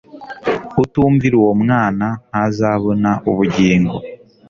"Utumvira uwo mwana ntazabona ubugingo"